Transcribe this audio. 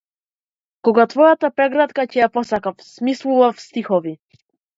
Кога твојата прегратка ќе ја посакав, смислував стихови.